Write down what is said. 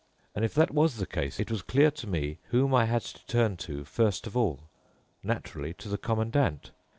And if that was the case, it was clear to me whom I had to turn to first of all—naturally, to the Commandant.